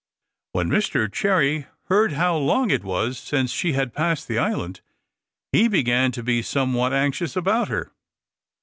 When Mr Cherry heard how long it was since she had passed the island, he began to be somewhat anxious about her.